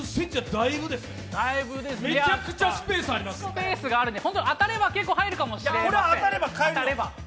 だいぶですね、スペースがあるので当たれば結構入るかもしれない、当たれば。